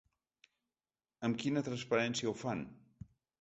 Amb quina transparència ho fan?